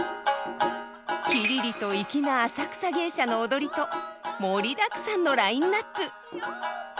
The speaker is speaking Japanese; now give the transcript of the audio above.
きりりと粋な浅草芸者の踊りと盛りだくさんのラインナップ。